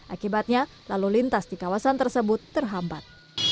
akibatnya lalu lintas di kawasan tersebut terhambat